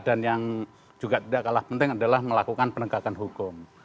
dan yang juga tidak kalah penting adalah melakukan penegakan hukum